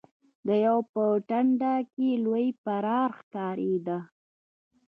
د يوه په ټټر کې لوی پرار ښکارېده.